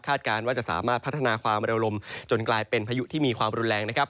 การว่าจะสามารถพัฒนาความเร็วลมจนกลายเป็นพายุที่มีความรุนแรงนะครับ